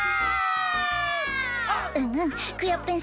うんうんクヨッペン